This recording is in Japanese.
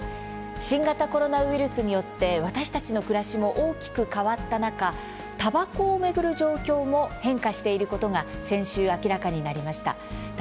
新型コロナウイルスによって私たちの暮らしも大きく変わった中、たばこを巡る状況も変化していることが先週、明らかになりました。